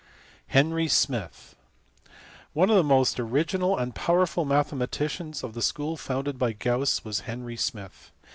Henry Smith t One of the most original and powerful mathematicians of the school founded by Gauss was Henry Smith.